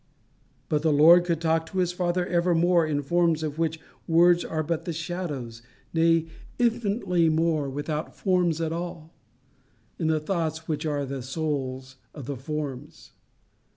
But the Lord could talk to his Father evermore in the forms of which words are but the shadows, nay, infinitely more, without forms at all, in the thoughts which are the souls of the forms.